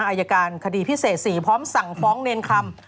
อายการคดีพิเศษ๔พร้อมสั่งฟ้องเนรคำ